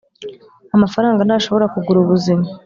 amafaranga ntashobora kugura ubuzima.